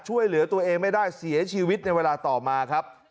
ช่วยเหลือตัวเองไม่ได้เสียชีวิตในเวลาต่อมาครับ